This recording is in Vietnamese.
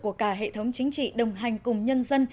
của cả hệ thống chính trị đồng hành cùng nhân dân